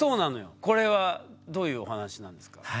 これはどういうお話なんですか？